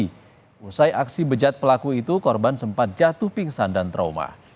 setelah berjalan ke kota depok usai aksi bejat pelaku itu korban sempat jatuh pingsan dan trauma